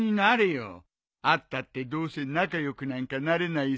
会ったってどうせ仲良くなんかなれないさ。